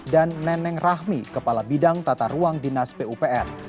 dan neneng rahmi kepala bidang tata ruang dinas pupr